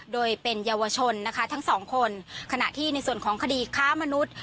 โดยเป็นเยาวชนนะคะทั้งสองคนขณะที่ในส่วนของคดีค้ามนุษย์